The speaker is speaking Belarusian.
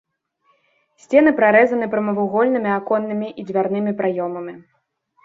Сцены прарэзаны прамавугольнымі аконнымі і дзвярнымі праёмамі.